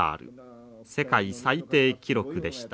世界最低記録でした。